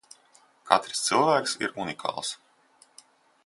Katrs cilvēks ir unikāls.